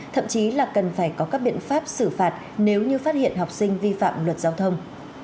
thậm chí là cần phải có các biện pháp xử phạt nếu như phát hiện học sinh vi phạm luật giao thông